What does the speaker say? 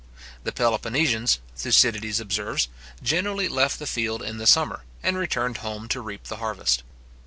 The Peloponnesians, Thucydides observes, generally left the field in the summer, and returned home to reap the harvest.